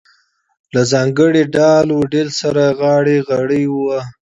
له ځانګړي ډال و ډیل سره غاړه غړۍ وه.